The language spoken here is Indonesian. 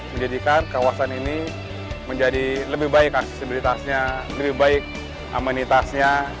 menjadikan kawasan ini menjadi lebih baik aksesibilitasnya lebih baik amanitasnya